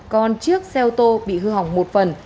còn chiếc xe ô tô bị hư hỏng một phần